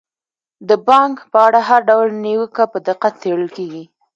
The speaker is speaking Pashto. د بانک په اړه هر ډول نیوکه په دقت څیړل کیږي.